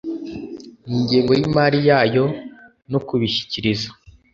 n ingengo y imari yayo no kubishyikiriza